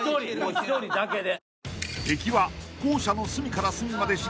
１人だけで。